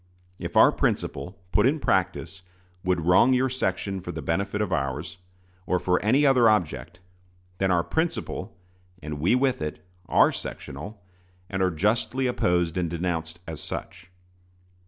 If our principle, put in practice, would wrong your section for the benefit of ours, or for any other object, then our principle, and we with it, are sectional, and are justly opposed and denounced as such.